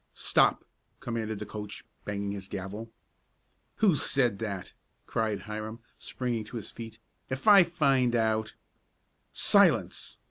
"Stop!" commanded the coach, banging his gavel. "Who said that?" cried Hiram, springing to his feet. "If I find out " "Silence!"